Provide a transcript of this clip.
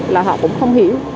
là họ cũng không có thể